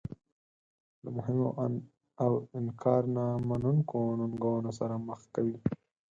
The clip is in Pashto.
له مهمو او انکار نه منونکو ننګونو سره مخ کوي.